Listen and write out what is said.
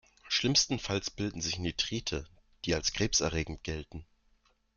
Schlimmstenfalls bilden sich Nitrite, die als krebserregend gelten.